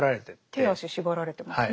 手足縛られてますね。